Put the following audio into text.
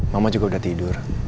mama juga udah tidur